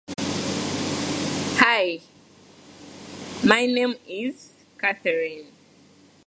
Most often, this is done through trilateration between radio towers.